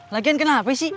lagian kenapa sih